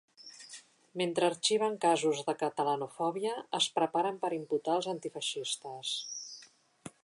Mentre arxiven casos de catalanofòbia, es preparen per imputar als antifeixistes.